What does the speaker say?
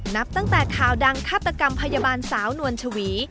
นับตั้งแต่ข่าวดังฆาตกรรมพยาบาลสาวนวลชวี